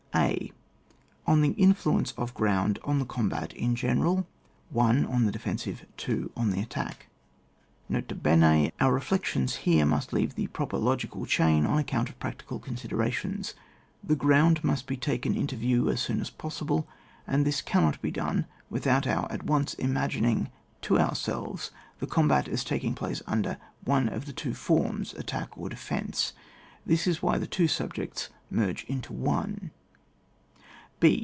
A. — On the Inelttence of Ground on THE Combat in general. 1 . On the defensive. 2. On the attack. N.B, — Our refiectiona must here leave the proper logical chain, on account of practical considerations. The grottnd must be taken into view as soon as possible, and this oan* not be done ufithotU our at once imagining to ourselves the combat as taking place under one of the two forms, attack or defence ; this is why the two subjects merge into one.